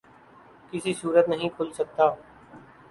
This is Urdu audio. کسی صورت نہیں کھل سکتا